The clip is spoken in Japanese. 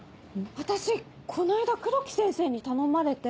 私この間黒木先生に頼まれて。